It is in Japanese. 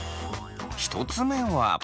１つ目は。